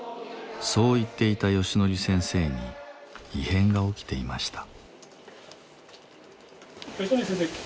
そう言っていたヨシノリ先生に異変が起きていました。